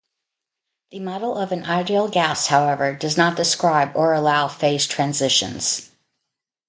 The model of an ideal gas, however, does not describe or allow phase transitions.